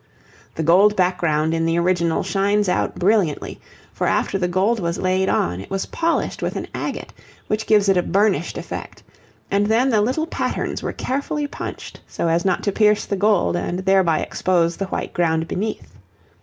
The gold background in the original shines out brilliantly, for after the gold was laid on, it was polished with an agate, which gives it a burnished effect, and then the little patterns were carefully punched so as not to pierce the gold and thereby expose the white ground beneath.